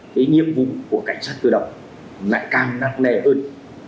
cái nhiệm vụ của cảnh sát cơ động lại càng nặng nề hơn